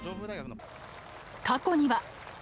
過去には。